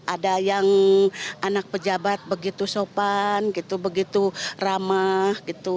ada yang anak pejabat begitu sopan gitu begitu ramah gitu